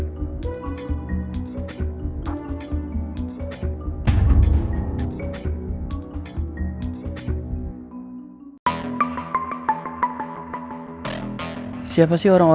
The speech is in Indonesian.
dah siapa itu remote